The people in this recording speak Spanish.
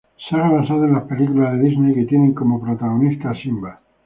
Saga basada en las películas de Disney que tiene como protagonista a Simba.